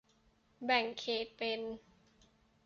แบ่งเขตเป็น